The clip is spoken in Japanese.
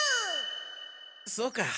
そうか。